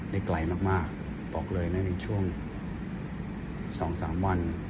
ได้ไกลมากมากบอกเลยนะในช่วงสองสามวัน